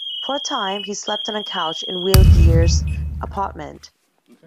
For a time, he slept on a couch in Will Geer's apartment.